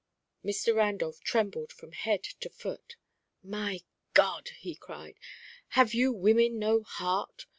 Mr. Randolph trembled from head to foot. "My God!" he cried, "have you women no heart?